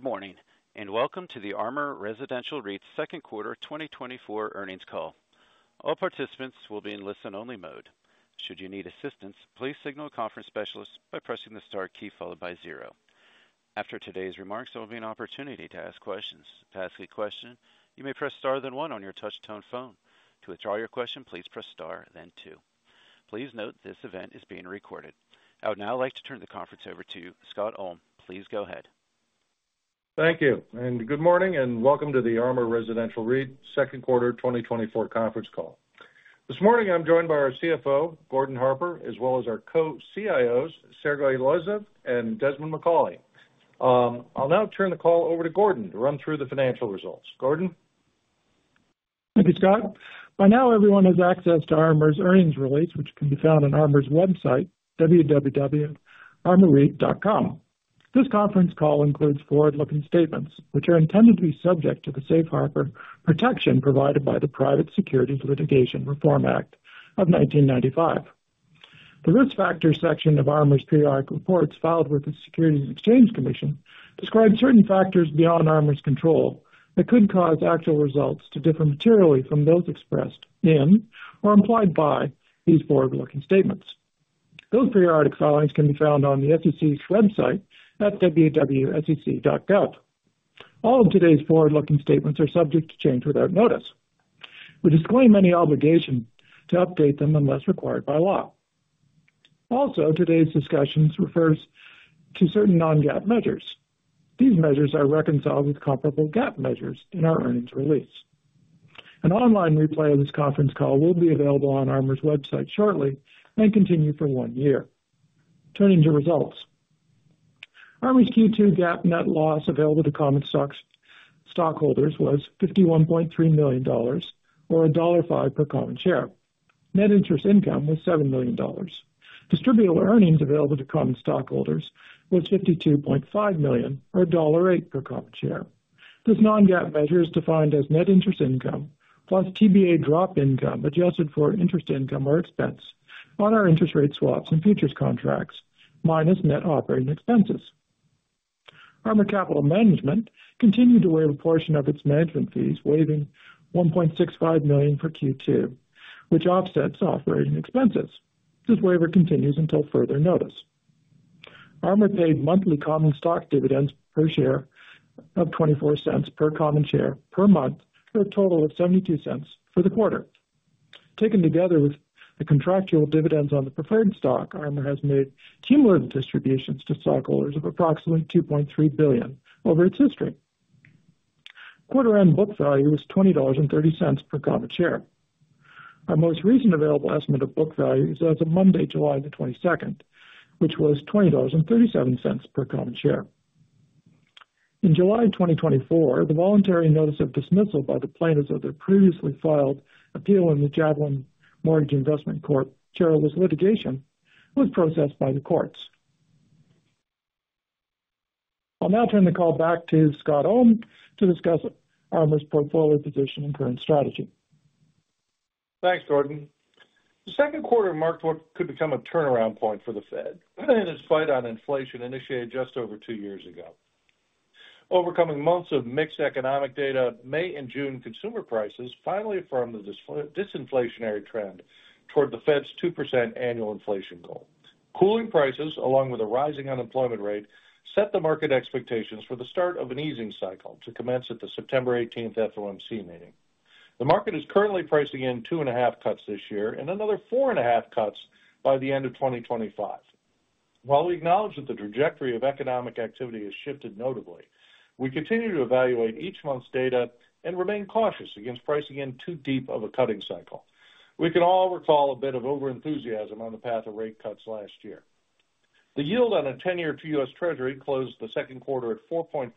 Good morning, and welcome to the ARMOUR Residential REIT's Second Quarter 2024 Earnings Call. All participants will be in listen-only mode. Should you need assistance, please signal a conference specialist by pressing the star key followed by zero. After today's remarks, there will be an opportunity to ask questions. To ask a question, you may press star then one on your touch-tone phone. To withdraw your question, please press star then two. Please note this event is being recorded. I would now like to turn the conference over to you, Scott Ulm. Please go ahead. Thank you, and good morning, and welcome to the ARMOUR Residential REIT second quarter 2024 conference call. This morning, I'm joined by our CFO, Gordon Harper, as well as our co-CIOs, Sergey Losyev and Desmond Macauley. I'll now turn the call over to Gordon to run through the financial results. Gordon? Thank you, Scott. By now, everyone has access to ARMOUR's earnings release, which can be found on ARMOUR's website, www.ARMOURreit.com. This conference call includes forward-looking statements, which are intended to be subject to the safe harbor protection provided by the Private Securities Litigation Reform Act of 1995. The risk factor section of ARMOUR's periodic reports filed with the Securities and Exchange Commission describes certain factors beyond ARMOUR's control that could cause actual results to differ materially from those expressed in or implied by these forward-looking statements. Those periodic filings can be found on the SEC's website at www.sec.gov. All of today's forward-looking statements are subject to change without notice. We disclaim any obligation to update them unless required by law. Also, today's discussions refer to certain non-GAAP measures. These measures are reconciled with comparable GAAP measures in our earnings release. An online replay of this conference call will be available on ARMOUR's website shortly and continue for one year. Turning to results, ARMOUR's Q2 GAAP net loss available to common stockholders was $51.3 million or $1.05 per common share. Net interest income was $7 million. Distributable earnings available to common stockholders was $52.5 million or $1.08 per common share. This non-GAAP measure is defined as net interest income plus TBA drop income adjusted for interest income or expense on our interest rate swaps and futures contracts minus net operating expenses. ARMOUR Capital Management continued to waive a portion of its management fees, waiving $1.65 million for Q2, which offsets operating expenses. This waiver continues until further notice. ARMOUR paid monthly common stock dividends per share of $0.24 per common share per month for a total of $0.72 for the quarter. Taken together with the contractual dividends on the preferred stock, ARMOUR has made cumulative distributions to stockholders of approximately $2.3 billion over its history. Quarter-end book value was $20.30 per common share. Our most recent available estimate of book value is as of Monday, July 22nd, which was $20.37 per common share. In July 2024, the voluntary notice of dismissal by the plaintiffs of the previously filed appeal in the Javelin Mortgage Investment Corp. shareholder litigation was processed by the courts. I'll now turn the call back to Scott Ulm to discuss ARMOUR's portfolio position and current strategy. Thanks, Gordon. The second quarter marked what could become a turnaround point for the Fed, and its fight on inflation initiated just over 2 years ago. Overcoming months of mixed economic data, May and June consumer prices finally affirmed the disinflationary trend toward the Fed's 2% annual inflation goal. Cooling prices, along with a rising unemployment rate, set the market expectations for the start of an easing cycle to commence at the September 18th FOMC meeting. The market is currently pricing in 2.5 cuts this year and another 4.5 cuts by the end of 2025. While we acknowledge that the trajectory of economic activity has shifted notably, we continue to evaluate each month's data and remain cautious against pricing in too deep of a cutting cycle. We can all recall a bit of overenthusiasm on the path of rate cuts last year. The yield on a 10-year U.S. Treasury closed the second quarter at 4.4%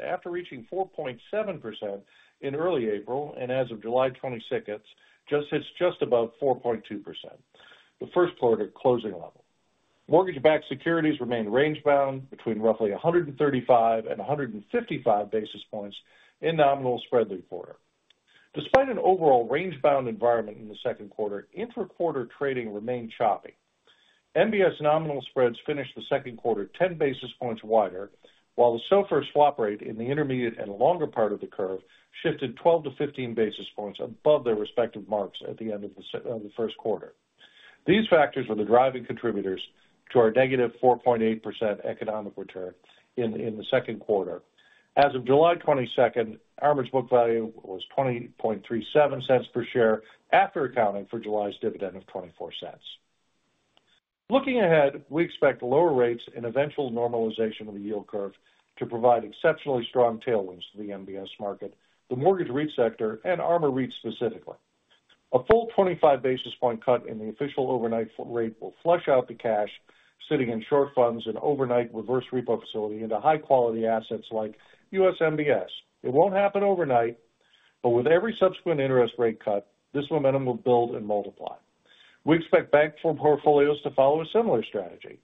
after reaching 4.7% in early April, and as of July 22nd, it just hits just above 4.2%, the first quarter closing level. Mortgage-backed securities remain range-bound between roughly 135 and 155 basis points in nominal spread the quarter. Despite an overall range-bound environment in the second quarter, interquarter trading remained choppy. MBS nominal spreads finished the second quarter 10 basis points wider, while the SOFR swap rate in the intermediate and longer part of the curve shifted 12-15 basis points above their respective marks at the end of the first quarter. These factors were the driving contributors to our negative 4.8% economic return in the second quarter. As of July 22nd, ARMOUR's book value was $20.37 per share after accounting for July's dividend of $0.24. Looking ahead, we expect lower rates and eventual normalization of the yield curve to provide exceptionally strong tailwinds to the MBS market, the mortgage REIT sector, and ARMOUR REIT specifically. A full 25 basis point cut in the official overnight rate will flush out the cash sitting in short funds and overnight reverse repo facility into high-quality assets like U.S. MBS. It won't happen overnight, but with every subsequent interest rate cut, this momentum will build and multiply. We expect bank portfolios to follow a similar strategy.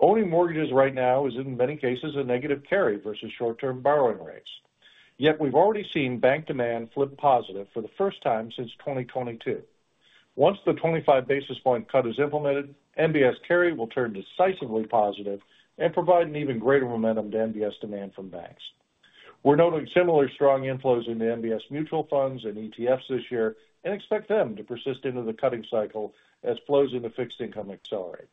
Owning mortgages right now is, in many cases, a negative carry versus short-term borrowing rates. Yet we've already seen bank demand flip positive for the first time since 2022. Once the 25 basis point cut is implemented, MBS carry will turn decisively positive and provide an even greater momentum to MBS demand from banks. We're noting similar strong inflows into MBS mutual funds and ETFs this year and expect them to persist into the cutting cycle as flows into fixed income accelerate.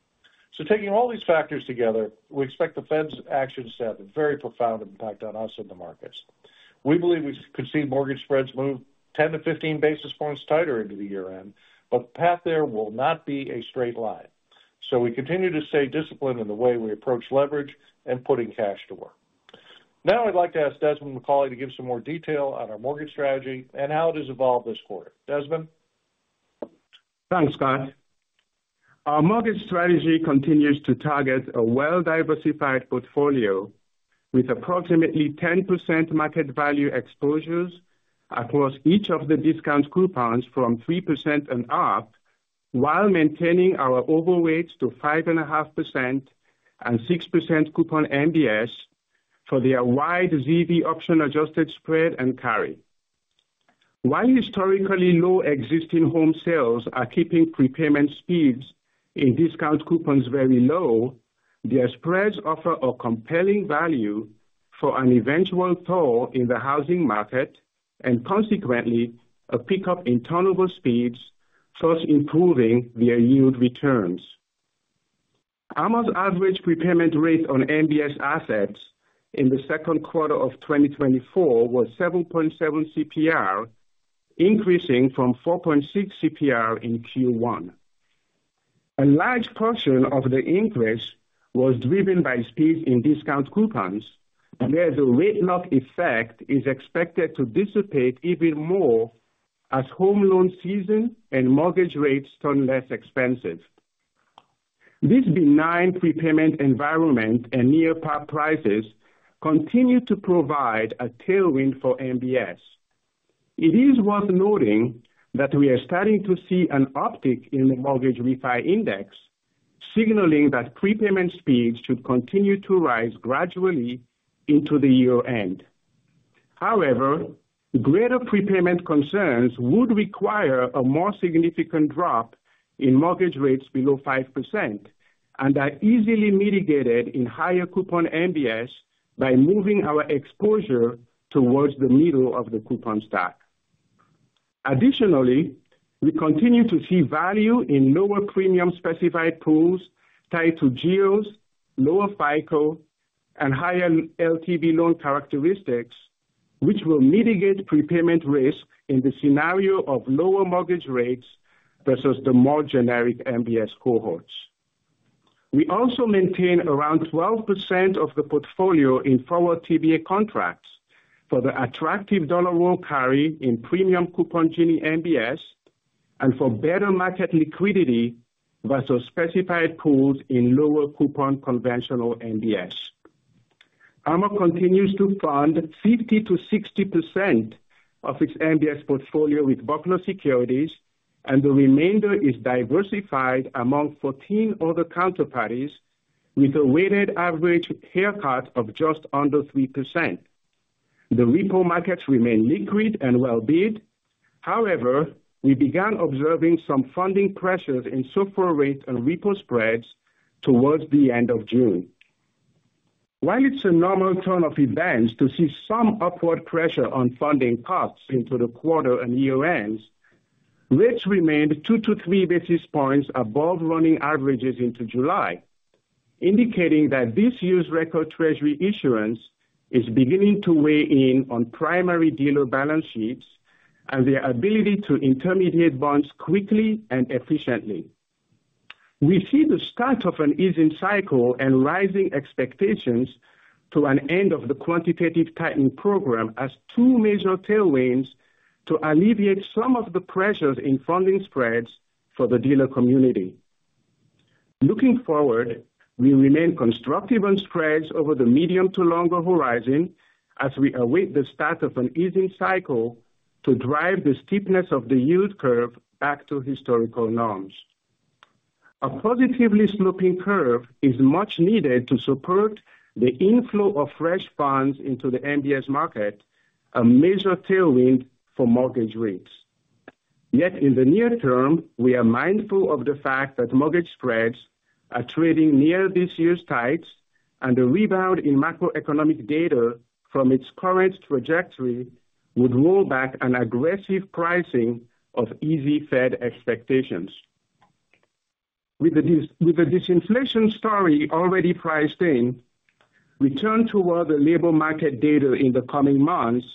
So taking all these factors together, we expect the Fed's actions to have a very profound impact on us and the markets. We believe we could see mortgage spreads move 10-15 basis points tighter into the year-end, but the path there will not be a straight line. So we continue to stay disciplined in the way we approach leverage and putting cash to work. Now I'd like to ask Desmond Macauley to give some more detail on our mortgage strategy and how it has evolved this quarter. Desmond? Thanks, Scott. Our mortgage strategy continues to target a well-diversified portfolio with approximately 10% market value exposures across each of the discount coupons from 3% and up, while maintaining our overweights to 5.5% and 6% coupon MBS for their wide ZV option-adjusted spread and carry. While historically low existing home sales are keeping prepayment speeds in discount coupons very low, their spreads offer a compelling value for an eventual thaw in the housing market and consequently a pickup in turnover speeds thus improving their yield returns. ARMOUR's average prepayment rate on MBS assets in the second quarter of 2024 was 7.7 CPR, increasing from 4.6 CPR in Q1. A large portion of the increase was driven by speeds in discount coupons, where the rate lock effect is expected to dissipate even more as home loan season and mortgage rates turn less expensive. This benign prepayment environment and near par prices continue to provide a tailwind for MBS. It is worth noting that we are starting to see an uptick in the mortgage refi index, signaling that prepayment speeds should continue to rise gradually into the year-end. However, greater prepayment concerns would require a more significant drop in mortgage rates below 5% and are easily mitigated in higher coupon MBS by moving our exposure towards the middle of the coupon stack. Additionally, we continue to see value in lower premium specified pools tied to Geos, lower FICO, and higher LTV loan characteristics, which will mitigate prepayment risk in the scenario of lower mortgage rates versus the more generic MBS cohorts. We also maintain around 12% of the portfolio in forward TBA contracts for the attractive dollar roll carry in premium coupon Ginnie MBS and for better market liquidity versus specified pools in lower coupon conventional MBS. ARMOUR continues to fund 50%-60% of its MBS portfolio with Buckler Securities, and the remainder is diversified among 14 other counterparties with a weighted average haircut of just under 3%. The repo markets remain liquid and well-bid. However, we began observing some funding pressures in SOFR rates and repo spreads towards the end of June. While it's a normal turn of events to see some upward pressure on funding costs into the quarter and year-ends, rates remained 2-3 basis points above running averages into July, indicating that this year's record Treasury issuance is beginning to weigh in on primary dealer balance sheets and their ability to intermediate bonds quickly and efficiently. We see the start of an easing cycle and rising expectations to an end of the quantitative tightening program as two major tailwinds to alleviate some of the pressures in funding spreads for the dealer community. Looking forward, we remain constructive on spreads over the medium to longer horizon as we await the start of an easing cycle to drive the steepness of the yield curve back to historical norms. A positively sloping curve is much needed to support the inflow of fresh funds into the MBS market, a major tailwind for mortgage REITs. Yet in the near term, we are mindful of the fact that mortgage spreads are trading near this year's tights and a rebound in macroeconomic data from its current trajectory would roll back an aggressive pricing of easy Fed expectations. With the disinflation story already priced in, we turn toward the labor market data in the coming months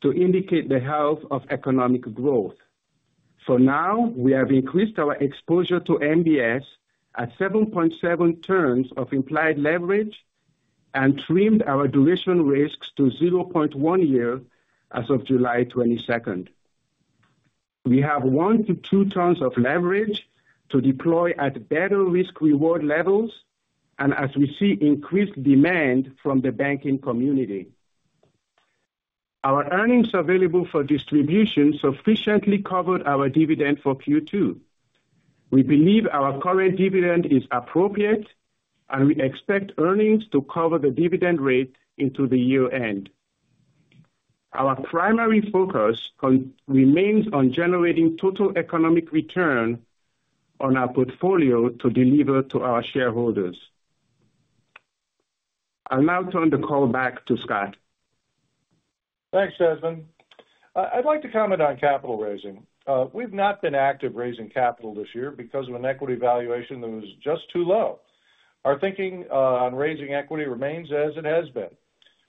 to indicate the health of economic growth. For now, we have increased our exposure to MBS at 7.7 turns of implied leverage and trimmed our duration risks to 0.1 year as of July 22nd. We have 1-2 turns of leverage to deploy at better risk-reward levels and as we see increased demand from the banking community. Our earnings available for distribution sufficiently covered our dividend for Q2. We believe our current dividend is appropriate, and we expect earnings to cover the dividend rate into the year-end. Our primary focus remains on generating total economic return on our portfolio to deliver to our shareholders. I'll now turn the call back to Scott. Thanks, Desmond. I'd like to comment on capital raising. We've not been active raising capital this year because of an equity valuation that was just too low. Our thinking on raising equity remains as it has been.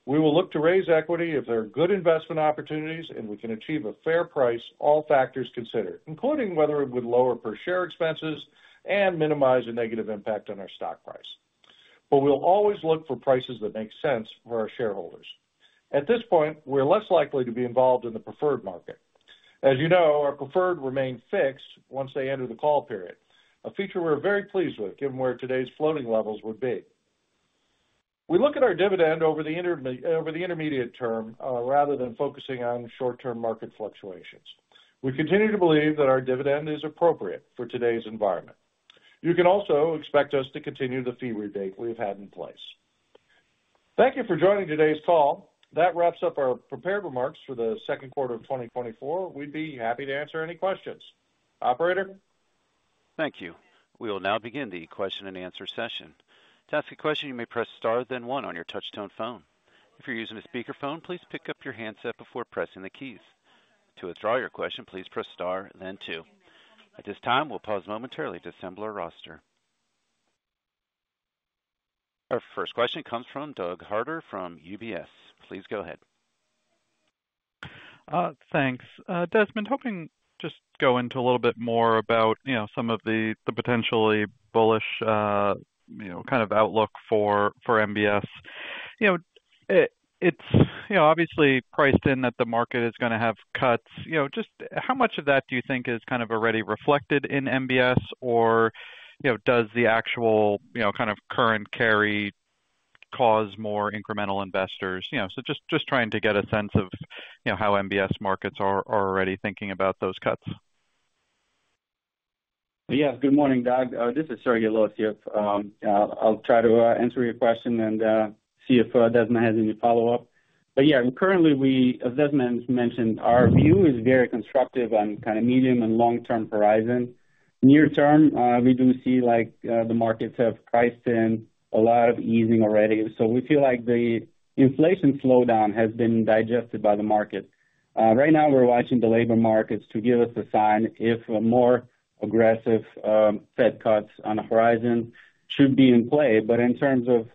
We will look to raise equity if there are good investment opportunities and we can achieve a fair price, all factors considered, including whether it would lower per share expenses and minimize a negative impact on our stock price. But we'll always look for prices that make sense for our shareholders. At this point, we're less likely to be involved in the preferred market. As you know, our preferred remained fixed once they entered the call period, a feature we're very pleased with given where today's floating levels would be. We look at our dividend over the intermediate term rather than focusing on short-term market fluctuations. We continue to believe that our dividend is appropriate for today's environment. You can also expect us to continue the fee rebate we've had in place. Thank you for joining today's call. That wraps up our prepared remarks for the second quarter of 2024. We'd be happy to answer any questions. Operator. Thank you. We will now begin the question-and-answer session. To ask a question, you may press star then one on your touch-tone phone. If you're using a speakerphone, please pick up your handset before pressing the keys. To withdraw your question, please press star then two. At this time, we'll pause momentarily to assemble our roster. Our first question comes from Doug Harter from UBS. Please go ahead. Thanks. Desmond, let's just go into a little bit more about some of the potentially bullish kind of outlook for MBS. It's obviously priced in that the market is going to have cuts. Just how much of that do you think is kind of already reflected in MBS, or does the actual kind of current carry cause more incremental investors? So just trying to get a sense of how MBS markets are already thinking about those cuts. Yeah, good morning, Doug. This is Sergey Losyev. I'll try to answer your question and see if Desmond has any follow-up. But yeah, currently, as Desmond mentioned, our view is very constructive on kind of medium and long-term horizon. Near term, we do see the markets have priced in a lot of easing already. So we feel like the inflation slowdown has been digested by the market. Right now, we're watching the labor markets to give us a sign if more aggressive Fed cuts on the horizon should be in play. But in terms of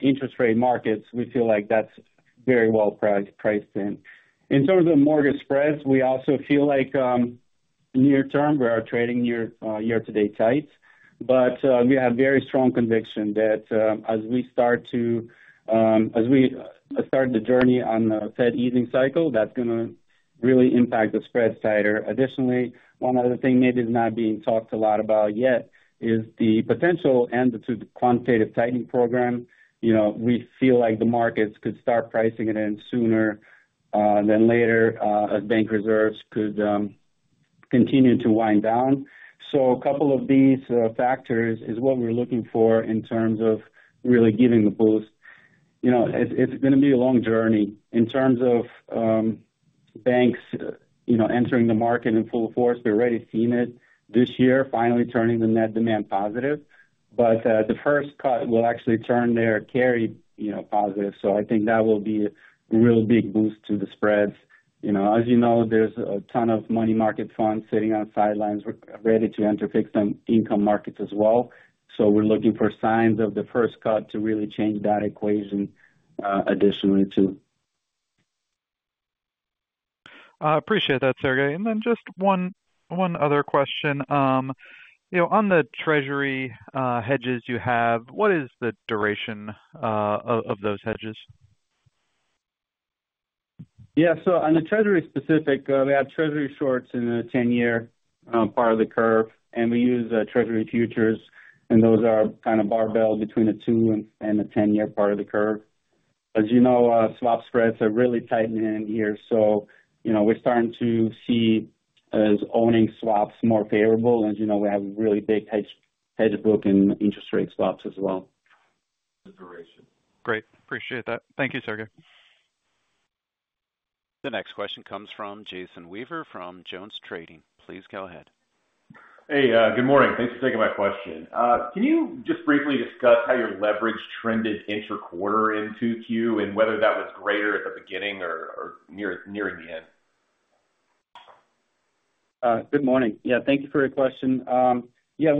interest rate markets, we feel like that's very well priced in. In terms of mortgage spreads, we also feel like near term we are trading near year-to-date tights. But we have very strong conviction that as we start the journey on the Fed easing cycle, that's going to really impact the spreads tighter. Additionally, one other thing maybe is not being talked a lot about yet is the potential and the quantitative tightening program. We feel like the markets could start pricing it in sooner than later as bank reserves could continue to wind down. So a couple of these factors is what we're looking for in terms of really giving the boost. It's going to be a long journey. In terms of banks entering the market in full force, we've already seen it this year finally turning the net demand positive. But the first cut will actually turn their carry positive. So I think that will be a real big boost to the spreads. As you know, there's a ton of money market funds sitting on sidelines ready to enter fixed income markets as well. So we're looking for signs of the first cut to really change that equation additionally too. Appreciate that, Sergey. And then just one other question. On the Treasury hedges you have, what is the duration of those hedges? Yeah, so on the Treasury specific, we have Treasury shorts in the 10-year part of the curve, and we use Treasury futures, and those are kind of barbelled between the 2 and the 10-year part of the curve. As you know, swap spreads are really tightening in here. So we're starting to see as owning swaps more favorable. As you know, we have really big hedge book and interest rate swaps as well. The duration. Great. Appreciate that. Thank you, Sergey. The next question comes from Jason Weaver from JonesTrading. Please go ahead. Hey, good morning. Thanks for taking my question. Can you just briefly discuss how your leverage trended interquarter in Q2 and whether that was greater at the beginning or nearing the end? Good morning. Yeah, thank you for your question. Yeah,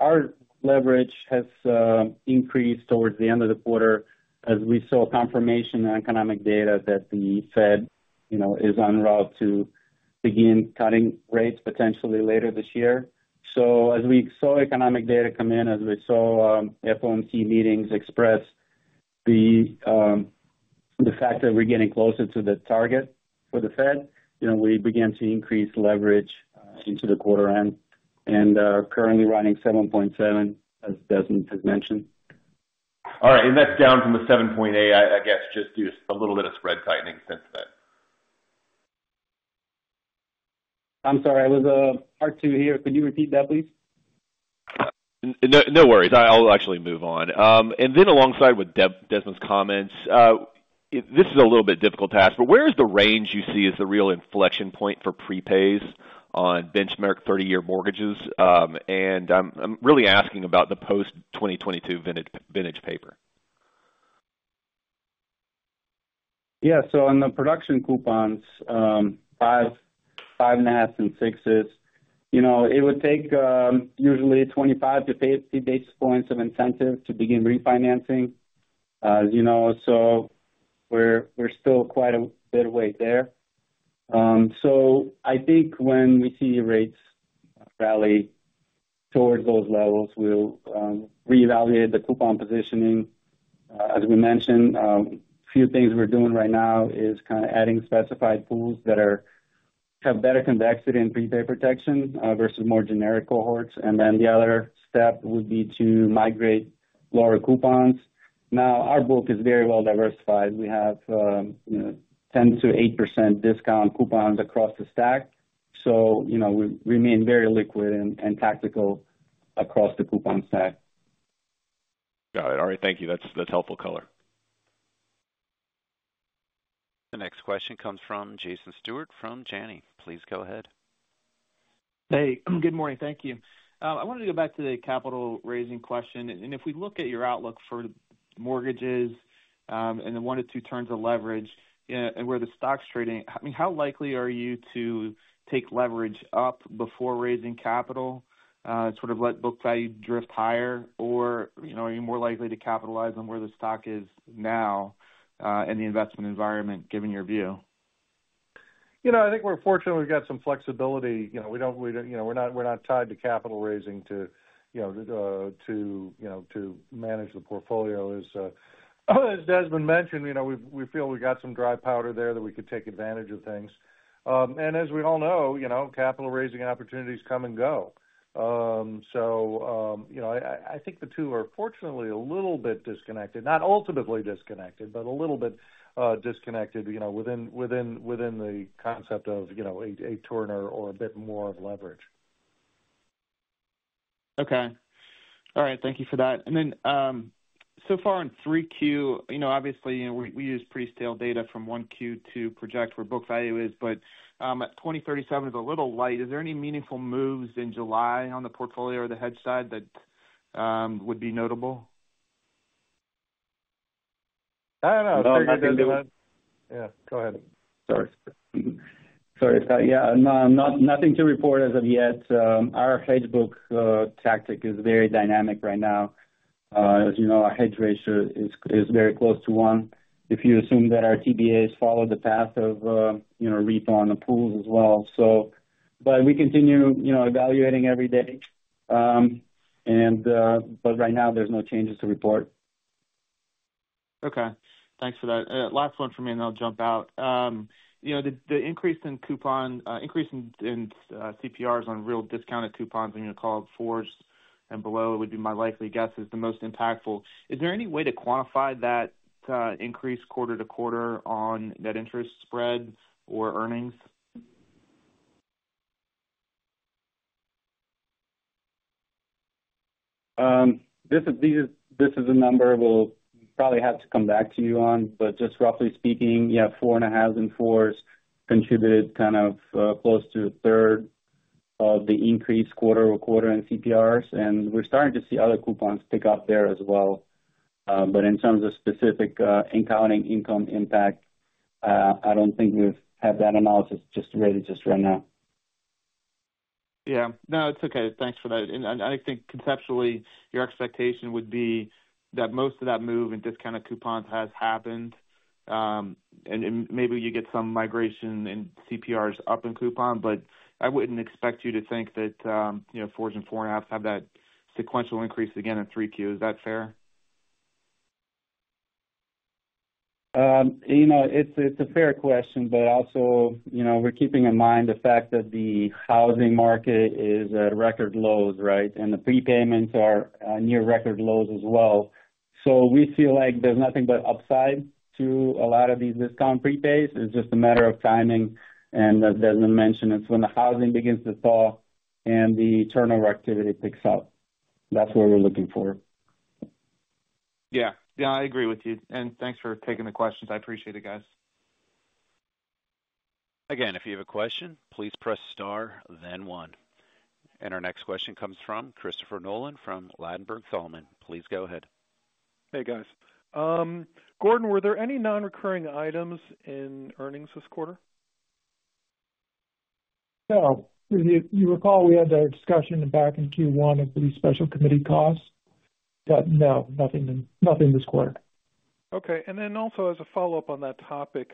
our leverage has increased towards the end of the quarter as we saw confirmation in economic data that the Fed is on track to begin cutting rates potentially later this year. So as we saw economic data come in, as we saw FOMC meetings express the fact that we're getting closer to the target for the Fed, we began to increase leverage into the quarter end and currently running 7.7, as Desmond has mentioned. All right. That's down from the 7.8, I guess, just due to a little bit of spread tightening since then. I'm sorry, I was part two here. Could you repeat that, please? No worries. I'll actually move on. And then alongside with Desmond's comments, this is a little bit difficult to ask, but where is the range you see as the real inflection point for prepays on benchmark 30-year mortgages? I'm really asking about the post-2022 vintage paper. Yeah, so on the production coupons, 5.5s and 6s, it would take usually 25-50 basis points of incentive to begin refinancing. As you know, so we're still quite a bit of way there. So I think when we see rates rally towards those levels, we'll reevaluate the coupon positioning. As we mentioned, a few things we're doing right now is kind of adding specified pools that have better convexity and prepay protection versus more generic cohorts. And then the other step would be to migrate lower coupons. Now, our book is very well diversified. We have 10%-8% discount coupons across the stack. So we remain very liquid and tactical across the coupon stack. Got it. All right. Thank you. That's helpful color. The next question comes from Jason Stewart from Janney. Please go ahead. Hey, good morning. Thank you. I wanted to go back to the capital raising question. If we look at your outlook for mortgages and the 1-2 turns of leverage and where the stock's trading, I mean, how likely are you to take leverage up before raising capital, sort of let book value drift higher, or are you more likely to capitalize on where the stock is now in the investment environment, given your view? You know, I think we're fortunate we've got some flexibility. We don't, we're not tied to capital raising to manage the portfolio. As Desmond mentioned, we feel we've got some dry powder there that we could take advantage of things. And as we all know, capital raising opportunities come and go. So I think the two are fortunately a little bit disconnected, not ultimately disconnected, but a little bit disconnected within the concept of a turn or a bit more of leverage. Okay. All right. Thank you for that. And then so far in 3Q, obviously, we use pretty stale data from 1Q to project where book value is, but 2037 is a little light. Is there any meaningful moves in July on the portfolio or the hedge side that would be notable? I don't know. No, nothing to that. Yeah, go ahead. Sorry. Sorry. Yeah, nothing to report as of yet. Our hedge book tactic is very dynamic right now. As you know, our hedge ratio is very close to one if you assume that our TBAs follow the path of refund pools as well. But we continue evaluating every day. But right now, there's no changes to report. Okay. Thanks for that. Last one for me, and I'll jump out. The increase in coupon, increase in CPRs on really discounted coupons, I'm going to call it four and below, would be my likely guess is the most impactful. Is there any way to quantify that increase quarter-to-quarter on net interest spread or earnings? This is a number we'll probably have to come back to you on, but just roughly speaking, yeah, 4.5 and 4s contributed kind of close to 1/3 of the increase quarter-over-quarter in CPRs. And we're starting to see other coupons pick up there as well. But in terms of specific accounting income impact, I don't think we've had that analysis just ready just right now. Yeah. No, it's okay. Thanks for that. And I think conceptually, your expectation would be that most of that move in discounted coupons has happened, and maybe you get some migration in CPRs up in coupon, but I wouldn't expect you to think that 4 and 4.5 have that sequential increase again in 3Q. Is that fair? You know, it's a fair question, but also we're keeping in mind the fact that the housing market is at record lows, right? And the prepayments are near record lows as well. So we feel like there's nothing but upside to a lot of these discount prepays. It's just a matter of timing. And as Desmond mentioned, it's when the housing begins to fall and the turnover activity picks up. That's what we're looking for. Yeah. Yeah, I agree with you. Thanks for taking the questions. I appreciate it, guys. Again, if you have a question, please press star then one. And our next question comes from Christopher Nolan from Ladenburg Thalmann. Please go ahead. Hey, guys. Gordon, were there any non-recurring items in earnings this quarter? No. You recall we had our discussion back in Q1 of the Special Committee costs? But no, nothing this quarter. Okay. And then also as a follow-up on that topic,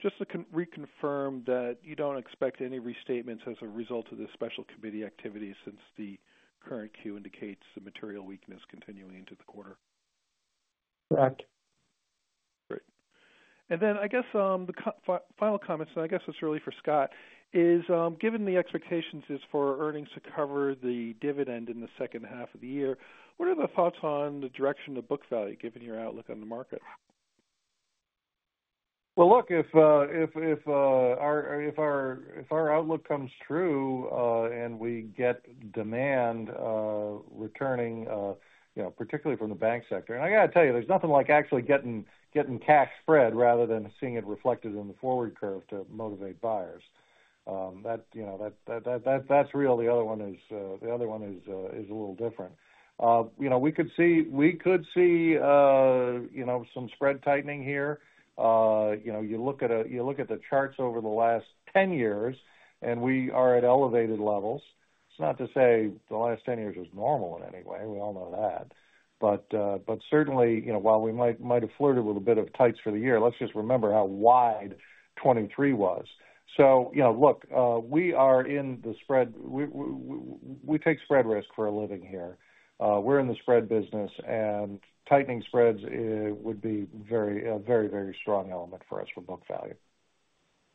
just to reconfirm that you don't expect any restatements as a result of the Special Committee activity since the current Q indicates the material weakness continuing into the quarter? Correct. Great. Then I guess the final comments, and I guess it's really for Scott, is given the expectations is for earnings to cover the dividend in the second half of the year. What are the thoughts on the direction of book value given your outlook on the market? Well, look, if our outlook comes true and we get demand returning, particularly from the bank sector, and I got to tell you, there's nothing like actually getting cash spread rather than seeing it reflected in the forward curve to motivate buyers. That's real. The other one is a little different. We could see some spread tightening here. You look at the charts over the last 10 years, and we are at elevated levels. It's not to say the last 10 years was normal in any way. We all know that. But certainly, while we might have flirted with a bit of tights for the year, let's just remember how wide 2023 was. So look, we are in the spread. We take spread risk for a living here. We're in the spread business, and tightening spreads would be a very, very strong element for us for book value.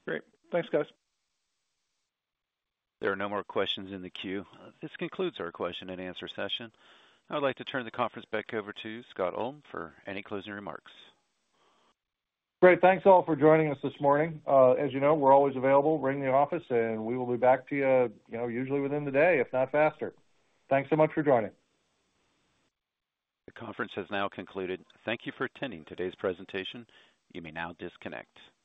Great. Thanks, guys. There are no more questions in the queue. This concludes our question-and-answer session. I would like to turn the conference back over to Scott Ulm for any closing remarks. Great. Thanks all for joining us this morning. As you know, we're always available. Ring the office, and we will be back to you usually within the day, if not faster. Thanks so much for joining. The conference has now concluded. Thank you for attending today's presentation. You may now disconnect.